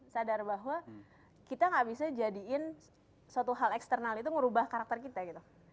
sadar bahwa kita gak bisa jadiin suatu hal eksternal itu ngerubah karakter kita gitu